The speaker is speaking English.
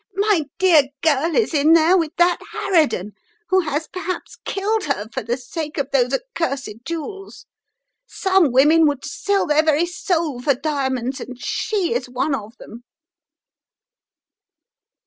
"My dear girl is in there with that harridan, who has perhaps killed her for the sake of those accursed jewels! Some women would sel ? their very soul for diamonds, and she is one of them."